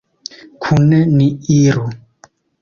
Kune ni iru!